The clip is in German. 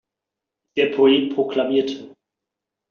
Der Poet proklamierte.